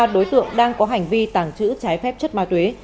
ba đối tượng đang có hành vi tàng trữ trái phép chất ma túy